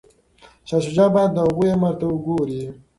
شاه شجاع باید د هغوی امر ته ګوري.